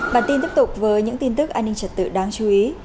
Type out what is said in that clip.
bản tin tiếp tục với những tin tức an ninh trật tự đáng chú ý